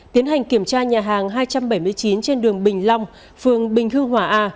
tiến hành kiểm tra nhà hàng hai trăm bảy mươi chín trên đường bình long phường bình hưng hỏa a